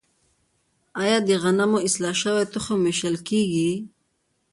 آیا د غنمو اصلاح شوی تخم ویشل کیږي؟